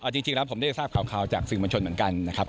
จริงแล้วผมได้ทราบข่าวจากสื่อมวลชนเหมือนกันนะครับ